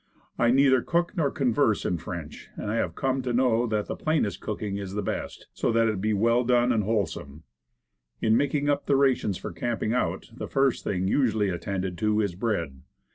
I neither cook or converse in French, and I have come to know that the plainest cooking is the best, so that it be well done and wholesome. In making up the rations for camping out, the first thing usually attended to is bread.